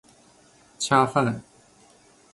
恰饭